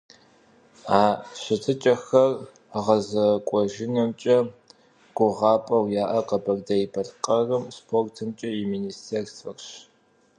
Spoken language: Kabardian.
А щытыкӀэхэр гъэзэкӀуэжынымкӀэ гугъапӀэу яӀэр Къэбэрдей-Балъкъэрым СпортымкӀэ и министерствэрщ.